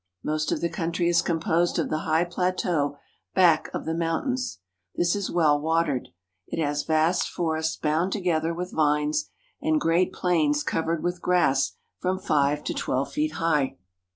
Most of the country is composed of the high pla teau back of the mountains. This is well watered. It has vast forests bound together with vines, and great plains covered with grass from five to twelve feet high.